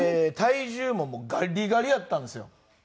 体重もガリガリやったんですよ。